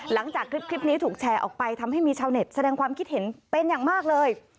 หลังจากคลิปนี้ถูกแชร์ออกไปทำให้มีชาวเน็ตแสดงความคิดเห็นเป็นอย่างมากเลย